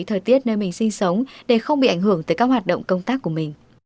thời tiết nơi mình sinh sống để không bị ảnh hưởng tới các hoạt động công tác của mình